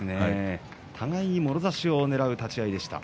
互いに、もろ差しをねらう立ち合いでした。